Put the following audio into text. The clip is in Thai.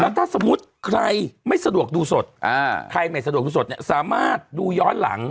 ถ้าสมมุติใครไม่สะดวกดูสดใครไม่สะดวกดูสดเนี่ยสามารถดูย้อนหลัง